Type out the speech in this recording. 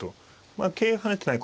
まあ桂跳ねてない